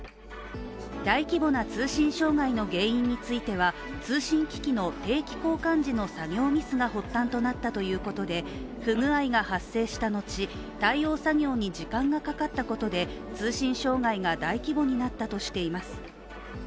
大規模な通信障害の原因については通信機器の定期交換時の作業ミスが発端となったということで、不具合が発生した後、対応作業に時間がかかったことで通信障害が大規模になったとしています。